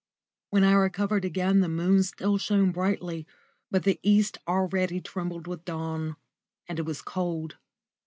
When I recovered again the moon still shone brightly, but the east already trembled with dawn, and it was cold.